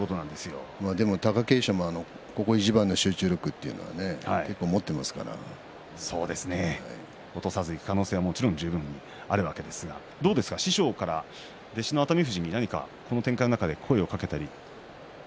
でも貴景勝のここいちばんの集中力というのは落とさずにいく可能性も十分にあると思いますが師匠から弟子の熱海富士にこの展開の中で声をかけたり。